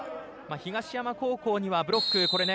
東山高校には、ブロック。